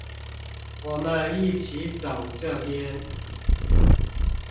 我們一起走這邊